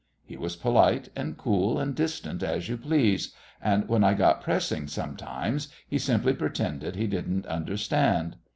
He was polite and cool and distant as you please, and when I got pressing sometimes he simply pretended he didn't understand.